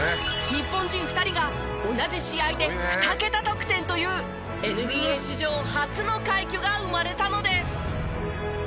日本人２人が同じ試合で２桁得点というＮＢＡ史上初の快挙が生まれたのです。